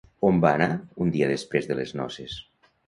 On va anar un dia després de les noces?